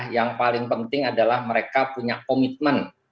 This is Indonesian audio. yang paling penting adalah mereka punya komitmen